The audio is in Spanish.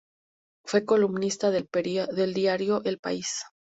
Fue columnista del diario "El País".